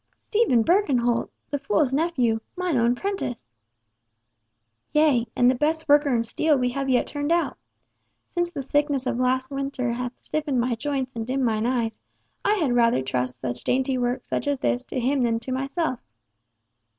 "Stephen Birkenholt! The fool's nephew! Mine own prentice!" "Yea, and the best worker in steel we have yet turned out. Since the sickness of last winter hath stiffened my joints and dimmed mine eyes, I had rather trust dainty work such as this to him than to myself."